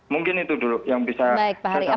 mungkin itu dulu yang bisa saya sampaikan